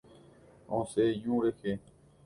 Osẽ ñu rehe.